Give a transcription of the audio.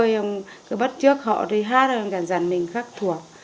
nhưng cứ bất chợt họ đi hát gần gần mình khắc thuộc